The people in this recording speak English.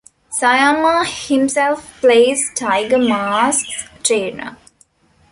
Sayama himself plays Tiger Mask's trainer.